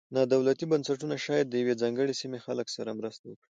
نا دولتي بنسټونه شاید د یوې ځانګړې سیمې خلکو سره مرسته وکړي.